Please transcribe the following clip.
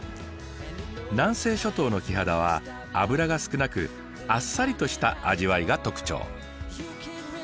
南西諸島のキハダは脂が少なくあっさりとした味わいが特徴。